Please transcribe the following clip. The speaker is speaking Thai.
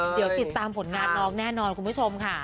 เดี๋ยวติดตามผลงานน้องแน่นอนคุณผู้ชมค่ะ